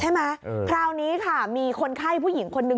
ใช่ไหมคราวนี้ค่ะมีคนไข้ผู้หญิงคนนึง